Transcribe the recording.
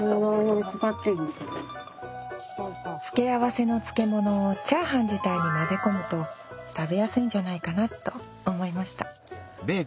つけ合わせの漬物をチャーハン自体に混ぜ込むと食べやすいんじゃないかなと思いました